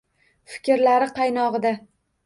Fikrlari qaynogʼida